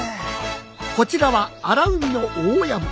こちらは荒海の大親分。